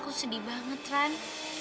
aku sedih banget ran